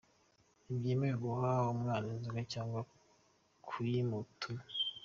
Ntibyemewe guha umwana inzoga cyangwa kuyimutuma